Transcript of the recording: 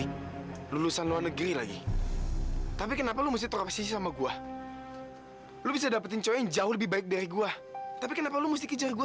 kalau memang urusan kamu lebih penting